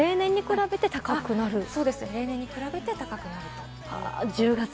例年に比べて高くなる？